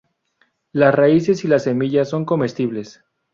Las raíces y las semillas son comestibles.